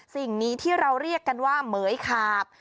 สิ่งนี้ที่เราเรียกกันว่าเหมือยขาบ